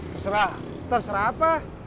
terserah terserah apa